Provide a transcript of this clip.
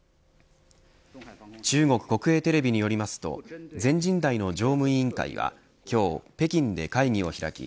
中国国営テレビによりますと全人代の常務委員会は今日、北京で会議を開き